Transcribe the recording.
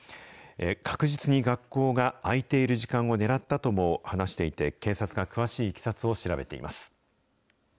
確実に学校が開いている時間を狙ったとも話していて、警察が詳しいいきさつを調べています。